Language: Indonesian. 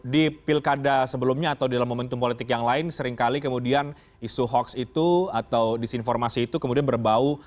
di pilkada sebelumnya atau dalam momentum politik yang lain seringkali kemudian isu hoax itu atau disinformasi itu kemudian berbau